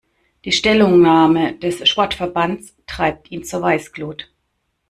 Die Stellungnahme des Sportverbands treibt ihn zur Weißglut.